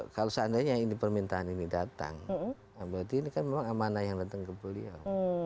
kalau seandainya ini permintaan ini datang berarti ini kan memang amanah yang datang ke beliau